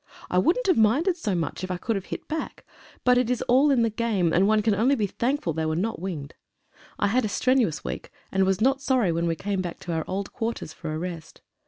I wouldn't have minded so much if I could have hit back, but it is all in the game, and one can only be thankful they were not winged. I had a strenuous week, and was not sorry when we came back to our old quarters for a rest.